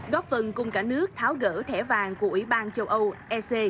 góp phần cùng cả nước tháo gỡ thẻ vàng của ủy ban châu âu ec